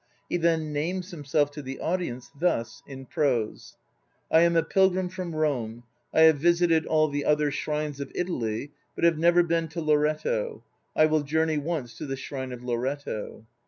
He then names himself to the audience thus (in prose) : "I am a pilgrim from Rome. I have visited all the other shrines of Italy, but have never been to Loretto. I will journey once to the shrine of Loretto."